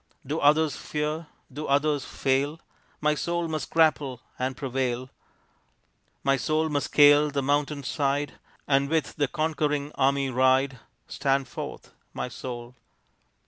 Do others fear? Do others fail? My soul must grapple and prevail. My soul must scale the mountainside And with the conquering army ride Stand forth, my soul!